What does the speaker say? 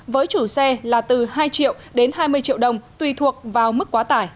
với chủ xe là từ hai triệu đến hai mươi triệu đồng tùy thuộc vào mức quá tải